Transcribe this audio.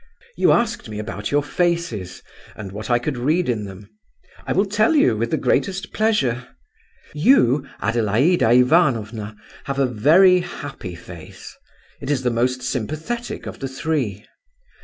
"You asked me about your faces, and what I could read in them; I will tell you with the greatest pleasure. You, Adelaida Ivanovna, have a very happy face; it is the most sympathetic of the three.